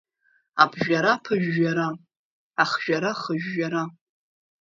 Аԥжәара аԥыжәжәара, ахжәара ахыжәжәара.